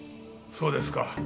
そうですか。